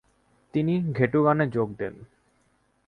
তিনি ঘেটুগানে যোগ দেন।